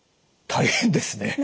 大変ですね。